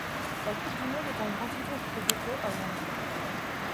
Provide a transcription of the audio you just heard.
La coupe du Monde est un grand titre qui fait défaut à Wang.